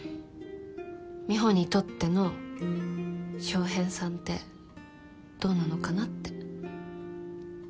美帆にとっての翔平さんってどうなのかなって。